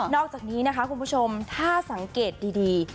อกจากนี้นะคะคุณผู้ชมถ้าสังเกตดี